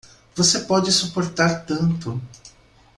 Você pode suportar tanto.